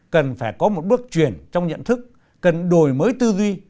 cần phải có một bước chuyển trong nhận thức cần đổi mới tư duy